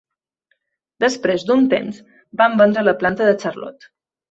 Després d'un temps, van vendre la planta de Charlotte.